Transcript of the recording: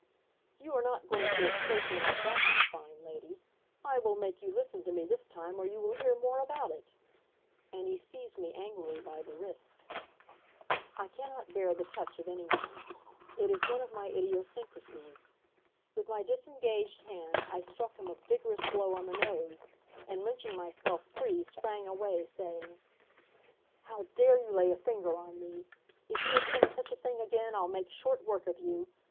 "You are not going to escape me like that, my fine lady. I will make you listen to me this time or you will hear more about it," and he seized me angrily by the wrist. I cannot bear the touch of any one it is one of my idiosyncrasies. With my disengaged hand I struck him a vigorous blow on the nose, and wrenching myself free sprang away, saying, "How dare you lay a finger on me! If you attempt such a thing again I'll make short work of you.